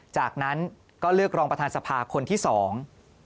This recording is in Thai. จากนั้นก็เลือกรองประธานสภาคนที่สอง